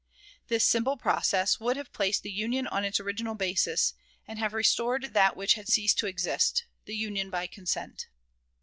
This simple process would have placed the Union on its original basis, and have restored that which had ceased to exist, the Union by consent.